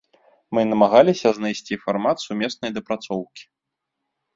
Мы намагаліся знайсці фармат сумеснай дапрацоўкі.